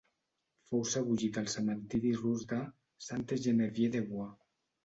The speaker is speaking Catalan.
Fou sebollit al Cementiri rus de Sainte-Geneviève-des-Bois.